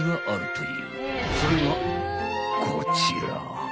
［それがこちら］